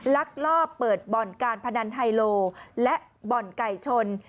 ลักลอบเปิดบ่อนการพนันไฮโลและบ่อนไก่ชน